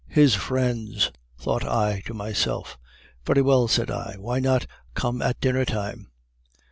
"'His friends!' thought I to myself. 'Very well,' said I, 'why not come at dinner time?